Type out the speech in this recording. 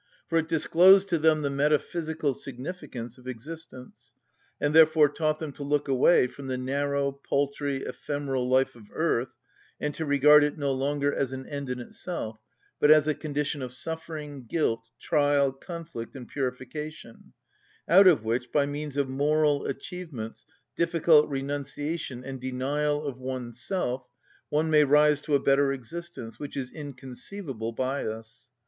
For it disclosed to them the metaphysical significance of existence, and therefore taught them to look away from the narrow, paltry, ephemeral life of earth, and to regard it no longer as an end in itself, but as a condition of suffering, guilt, trial, conflict, and purification, out of which, by means of moral achievements, difficult renunciation, and denial of oneself, one may rise to a better existence, which is inconceivable by us.